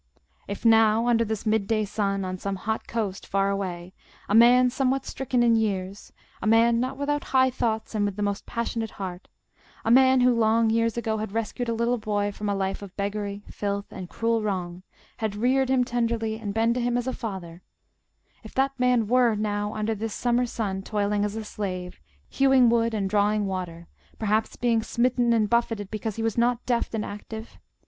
If now, under this mid day sun, on some hot coast far away, a man somewhat stricken in years—a man not without high thoughts and with the most passionate heart—a man who long years ago had rescued a little boy from a life of beggary, filth, and cruel wrong, had reared him tenderly, and been to him as a father—if that man were now under this summer sun toiling as a slave, hewing wood and drawing water, perhaps being smitten and buffeted because he was not deft and active?